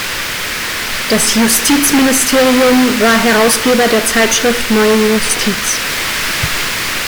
Das Justizministerium war Herausgeber der Zeitschrift Neue Justiz.